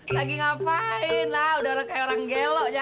lagi ngapain lah udah kayak orang gelo ya